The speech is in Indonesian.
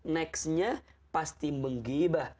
nextnya pasti menggibah